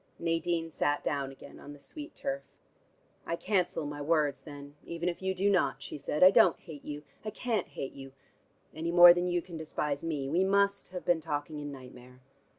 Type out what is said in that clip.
Nadine sat down again on the sweet turf. "I cancel my words, then, even if you do not," she said. "I don't hate you. I can't hate you, any more than you can despise me. We must have been talking in nightmare."